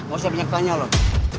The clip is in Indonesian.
gak usah penyaksanya loh